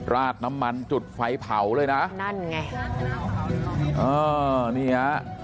ราดน้ำมันจุดไฟเผาเลยนะนั่นไงเออนี่ฮะ